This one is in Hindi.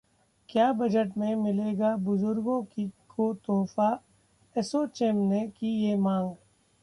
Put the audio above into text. क्या बजट में मिलेगा बुजुर्गों को तोहफा? एसोचैम ने की ये मांग